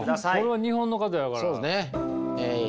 これは日本の方やから。